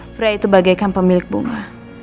pria itu bagaikan pemilik bunga